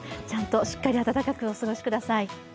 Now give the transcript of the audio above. ちゃんとしっかり温かくお過ごしください。